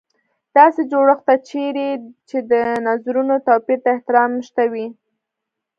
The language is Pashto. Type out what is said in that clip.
داسې جوړښت ته چېرې چې د نظرونو توپیر ته احترام شته وي.